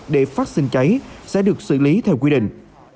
để phát sinh cháy sẽ được xử lý theo quy định